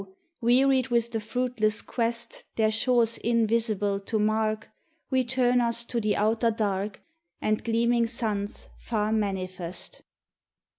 wearied with the fruitless quest Their shores invisible to mark, We turn us to the outer Dark, And gleaming suns far manifest.